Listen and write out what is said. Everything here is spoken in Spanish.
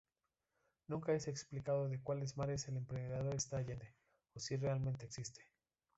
Nunca es explicado de cuáles mares el Emperador está allende, o si realmente existe.